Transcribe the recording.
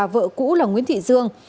vợ cũ là nguyễn thị dương